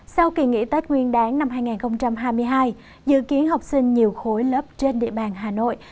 sau kỳ nghỉ tết nguyên đáng năm hai nghìn hai mươi hai dự kiến học sinh nhiều khối lớp trên địa bàn hà nội